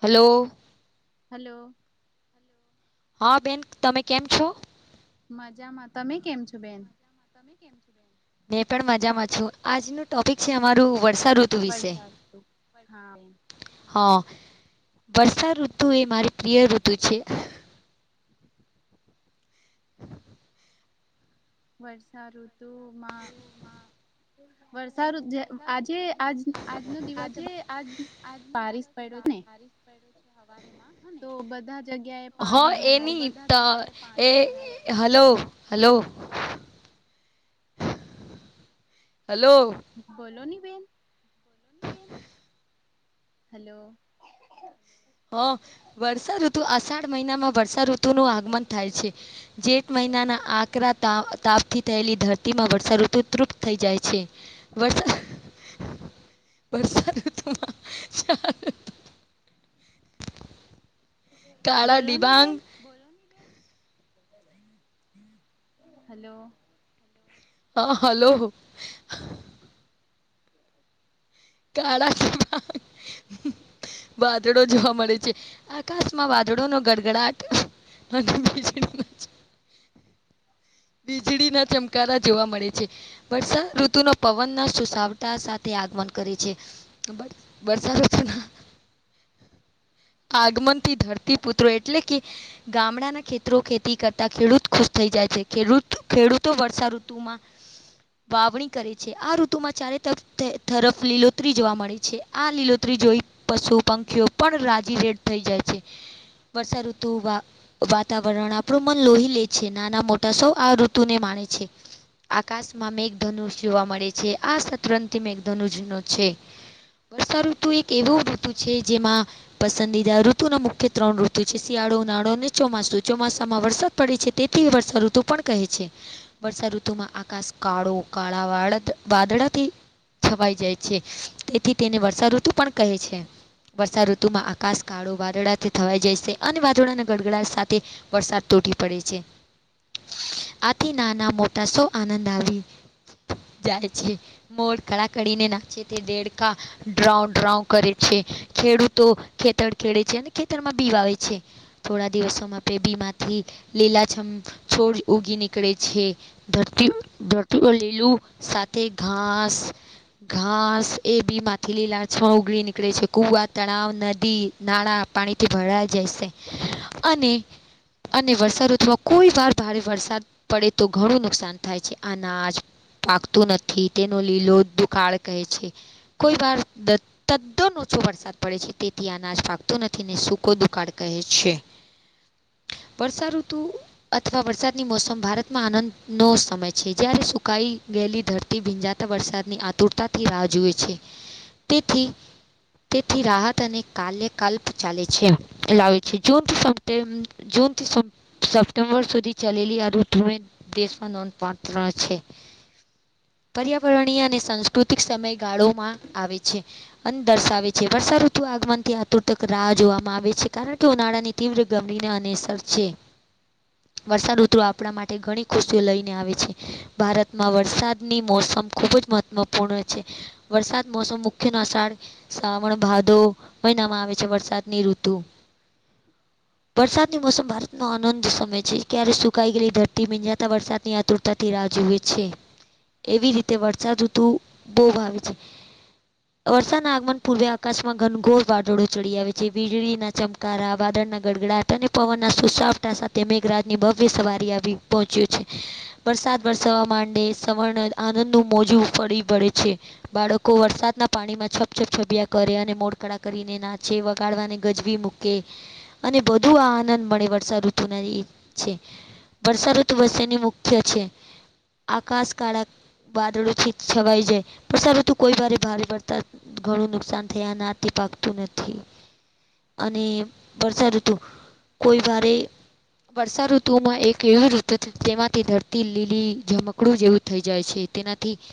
Hello. Hello. હા બેન તમે કેમ છો. મજામાં તમે કેમ છો બેન. મે પણ મજામાં છું આજનું ટોપિક છે અમારું વર્ષાઋતુ. વરસા આવતું હા. હા વર્ષાઋતુ એ મારી પ્રિય ઋતુ છે. [inaudible] વર્ષાઋતુમાં. વરસાદ જે આજે આજ આજનો દિવસ બ. એની. તો એ હલો હલો. હલો. બોલોની બેન. [inaudible] હલો. હ વર્ષાઋતુ અષાઢ મહિનામાં વર્ષાઋતુનું આગમન થાય છે. જેઠ મહિનાના આકરા તાપથી થયેલી ધરતીમાં વર્ષા ઋતુ તૃપ્ત થઈ જાય છે. બસ સારું તુંમાં સારું કાળા દિબાંગ હલો હા હલો [inaudible] વાદળો જોવા મળે છે, આકાશમાં વાદળોનો ગડગડાટ, [unintelligible] વીજળીના ચમકારા જોવા મળે છે. વર્ષા ઋતુનું પવનના સુસાવટા સાથે આગમન કરે છે. [inaudible] [unintelligible] આગમનથી ધરતી પુત્રો એટલે કે ગામડાના ખેતરો ખેતી કરતાં ખેડૂત ખુશ થઈ જાય છે ખેડૂત ખેડૂતો વર્ષાઋતુમાં વાવણી કરે છે આ ઋતુમાં ચારે તરફ તરફ લીલોતરી જોવા મળે છે આ લીલોતરી જોઈ પશુ પંખીઓ પણ રાજી રેડ થઈ જાય છે વર્સાાઋતુ વાતાવરણ આપણું મન લોહી લે છે નાના મોટા તસો આ ઋતુને માણે છે આકાશમાં મેઘધનુષ જોવા મળે છે આ શતરથી મેઘધનુષનો છે વર્ષાઋતુ એક એવો ઋતુ છે જેમાં પસંદીદા ઋતુના મુખ્ય ત્રણ ઋતુ છે શિયાળો ઉનાળો અને ચોમાસું ચોમાસામાં વરસાદ પડી છે તેથી વર્ષા ઋતુ પણ કહે છે વર્ષા ઋતુમાં આકાશ કાળો કાળા વાદળથી છવાઈ જાય છે તેથી તેને વર્ષાઋતુ પણ કહે છે વર્ષાઋતુમાં આકાશ કાળો વાદળાથી થવાઈ જાય છે અને વાદળાના ગડગડા સાથે વરસાદ તૂટી પડે છે આથી નાના મોટા સો આનંદ આવી જાય છે મોડ કળ કડીને નાચે તે દેડકા ડ્રઉ ડ્રઉ કરે છે ખેડૂતો ખેતર ખેડે છે અને ખેતરમાં બીવા આવે છે થોડા દિવસોમાં પેબી માંથી લીલાછમ છોડ ઉગી નીકળે છે ધરતી ધરતી લીલું સાથે ઘાસ ઘાસ એ ભી માથી લાલચમાં ઉગડી નીકળે છે કુવા તળાવ નદી નાણાં પાણીથી ભરાઈ જશે અને અને વરષાઋતમાં કોઈ વાર ભારે વરસાદ પડે તો ઘણું નુકસાન થાય છે અનાજ પાકતું નથી તેનો લીલો દુકાળ કહે છે કોઈ વાર તદ્દન ઓચો વરસાદ પડે છે તેથી અનાજ ફાગતો નથી ને સુૂકો દુકાળ કહે છે વર્ષાઋતુ અથવા વરસાદની મોસમ ભારતમાં આનંદનો સમય છે જ્યારે સુકાઈ ગયેલી ધરતી ભીંજાતા વરસાદની આતુરતાથી રાહ જોએ છે તેથી તેથી રાહત અને કલે્યકાલ્પ ચાલે છે લાવે છે [unintelligible] જૂન થી સપ્ટેમ્બર સુધી ચાલી આ ઋતુને દેશમાં નોંધપાત્ર છે પર્યાવરણીય અને સાંસ્કૃતિક સમયગાળોમાં આવે છે અને દર્શાવે છે વર્ષાઋતુ આગમન થી આતુરતક રાહ જોવામાં આવે છે કારણ કે ઉનાળાની તીવ્ર ગમીને અનેસર છે વરસાદ ઋતર આપણા માટે ઘણી ખુશીઓ લઈને આવે છે ભારતમાં વરસાદની મોસમ ખૂબ જ મહત્વપૂર્ણ છે વરસાદ મોસમ મુખ્ય નસાડ શ્રાવણ ભાદો મહિનામાં આવે છે વરસાદની ઋતુ. વરસાદની મોસમ ભારતનો આનંદ સમય છે. ક્યારે સુકાઈ ગયેલી ધરતી મીંજાતા વરસાદની આતુરતાથી રાહ જુએ છે. એવી રીતે વરસાદ ઋતુ બહુ ભાવે છે. વરસાદના આગમન પૂર્વે આકાશમાં ઘનઘોર વાદળો ચડી આવે છે. વીજળીના ચમકારા, વાદળના ગડગડા અને પવનના સુસવટા સાથે મેઘરાજની ભવ્ય સવારી આવી પહોંચ્યું છે. વરસાદ વરસવા માંડે, સવર્ણ આનંદનું મોજું ફરી વળે છે. બાળકો વરસાદના પાણીમાં છપછપ છભયા કરે અને મોડકડા કરીને નાચે વગાડવાને ગજવી મુક કે અને બધુ આ આનંદ મળે વર્ષા ઋતુના છે. વર્ષાઋતુ વસેની મુખ્ય છે આકાશ કાળા વાદળોથી છવાઈ જાય. વર્ષા ઋતુ ઋતુ કોઈ વાારે ભારે વરતા ઘણું નુકસાન થયા આ નાતિ પાકતું નથી. અને વરષા ઋતુ કોઈ વારે વર્ષાઋતુમાં એક એવી ઋતુ છે જેમાંથી ધરતી લીલી ઝમકડું જેવું થઈ જાય છે. તેનાથી [inaudible]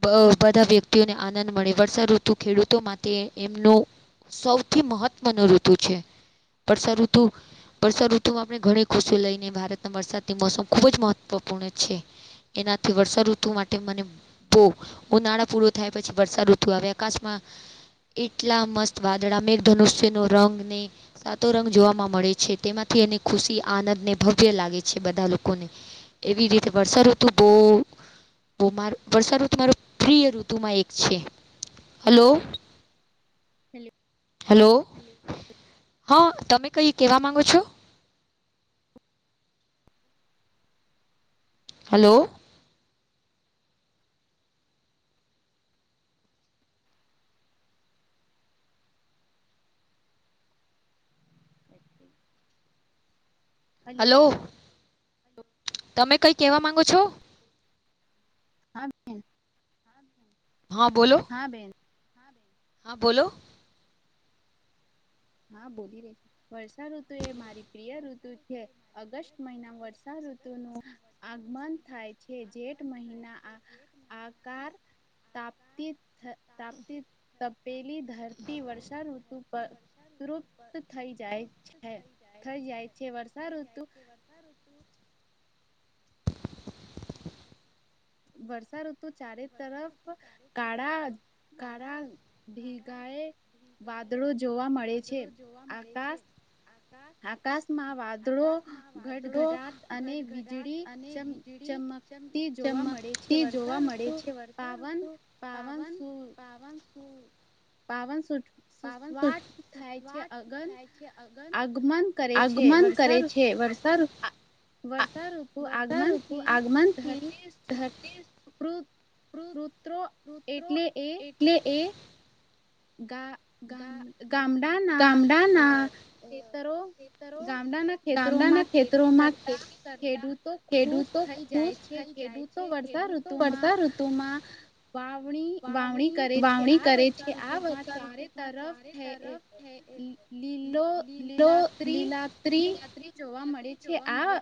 બ બધા વ્યક્તિઓને આનંદ મળે, વર્ષા ઋતુ ખેડૂતો માટે એમનું સૌથી મહત્વનું ઋતુ છે. વર્ષાઋતુ વર્ષાઋત તુ આપણે ઘણી ખુશી લઈને ભારતમાં વરસાદની મોસમ ખૂબ જ મહત્વપૂર્ણ છે. એનાથી વર્ષા ઋતુ માટે મને તો ઉનાળા પૂરું થાય પછી વરસાદ ૠતું આવે, આકાશમાં એટલા મસ્ત વાદળા, મેઘધનુષ્યનો રંગ ને સાતો રંગ જોવામાં મળે છે, તેમાંથી એની ખુશી, આનંદ ને ભવ્ય લાગે છે બધા લોકોને. એવી રીતે વર્ષાઋતુ બહુ વો માર વર્ષાઋતુ મારો પ્રિય ઋતુમાં એક છે. હલો હેલ હેલો. હા તમે કંઈ કહેવા માંગો છો? હલો લો. તમે કંઈ કહેવા માંગો છો? હા બેન. હા, બોલો. હા બેન. હા, બોલો. હા બોલી રહી છું. વર્ષાઋતુ એ મારી પ્રિય ઋતુ છે. ઓગસ્ટ મહિનામ વર્ષા ઋતુનો આગમન થાય છે. જેઠ મહિના આ આકાર તાપતી થ તાપતી તપેલી ધરતી વર્ષાઋતુ પર તૃપત થઈ જાય છે, થઈ જાય છે. વર્ષાઋતુ વર્ષાઋતુ ચારે તરફ કાળા કાળા ધીગાએ વાદળો જોવા મળે છે. આકાશ આ આકાશમાં વાદળો ઘટઘટાટ અને વીજળી ચમ ચમક તી જોવા મળે છે. વર્ષાઋતુ પાવન-પાવન સુ પાવન સુઠ સુસવાટ થાય છે. અગન આગમન કરે છે. વરસાદ ૠ આ વર્ષાઋતુ આગમનથી ધરતી સુ પૃત પૃત્રો એટલે એ એટલે એ ગા ગામ ગામડાના અહ ખેતરો ગામડાના ખેતરોમાં ખેતી કરતા ખેડૂતો ખુશ થઈ જાય છે. ખેડુ તો વર્ષા ઋતુમાં વાવણી વાવણી કરે છે આ વર્ષાઋતુમાં ચારે તરફ થે અહ લીલો લિલાત્રી યાત્રી જોવા મળે છે આ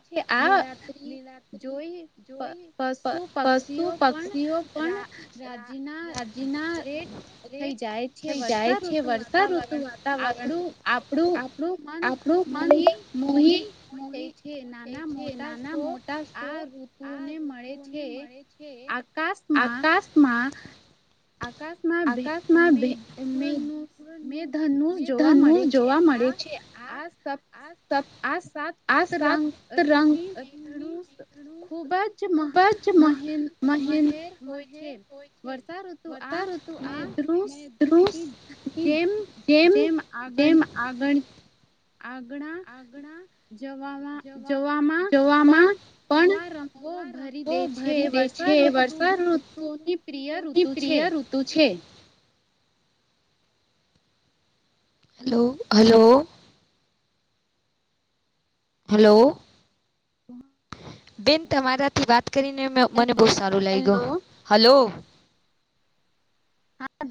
લીલાત્રી જોઈ પ પશુ પક્ષીઓ પણ રા રાજી ના રેડ થઈ જાય છે વરસાઋતુ તુ વાતાવરણ આપણું-આપણું મન મોહી-મોહી-મોહી [unintelligible] છે નાના મોટા શોક આ ઋતુઓને મળે છે. આકાશમાં માં આકાશમાં [unintelligible] નું મેધનુષ જોવા મળે છે આ-આ સપ આ સાત રંગ-રંગની મેધનુષ ખૂબ જ જ મહેર મહેર હોય છે વરસા ઋતુ આ મેઘ નુશ જેમ જેમ આગળ આગળ આગણા જવામાં જવામાં પણ નવા રંગો ભરી દે છે વર સા ઋતુ સોની પ્રિય ઋતુ છે. તું છે. Hello hello. હેલો બેન તમારાથી વાત કરીને મને બહું સારું સારું લાયગુ હલો.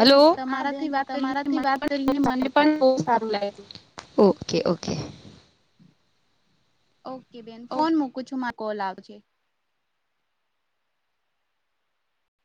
હલો હા બેન તમારાથી વાત કરીને મને પણ બહું સારું લાગે ઓકે ઓકે. ઓકે બેન ફોન મૂકું છું માર કોલ આવજે